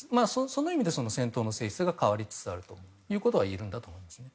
その意味で戦闘の性質が変わりつつあるということがいえるんだと思います。